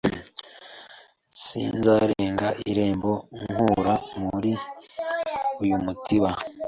sinzarenga irembo nkura muri uyu mutiba